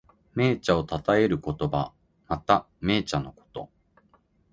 銘茶をたたえる言葉。また、銘茶のこと。